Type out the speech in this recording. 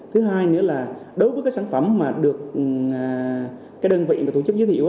thứ hai nữa là đối với các sản phẩm mà được các đơn vị tổ chức giới thiệu